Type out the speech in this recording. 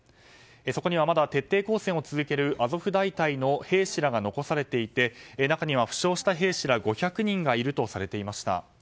そこにはまだ徹底抗戦を続けるアゾフ大隊の兵士らが残されていて中には負傷した兵士ら５００人がいるとされていました。